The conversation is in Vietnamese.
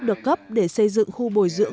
được cấp để xây dựng khu bồi dưỡng